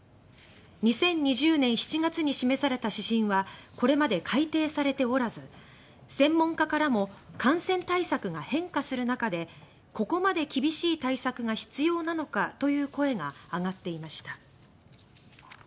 ２０２０年７月に示された指針はこれまで改定されておらず専門家からも感染対策が変化する中で「ここまで厳しい対策が必要なのか」という声が上がっていました。